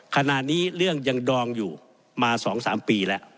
ขณะนี้เรื่องยังดองอยู่มา๒๓ปีแล้ว